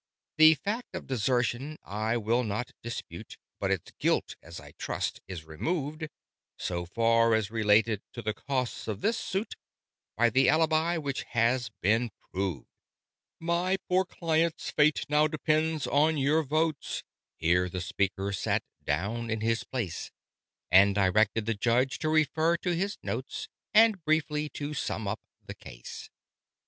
"The fact of Desertion I will not dispute; But its guilt, as I trust, is removed (So far as related to the costs of this suit) By the Alibi which has been proved. "My poor client's fate now depends on your votes." Here the speaker sat down in his place, And directed the Judge to refer to his notes And briefly to sum up the case.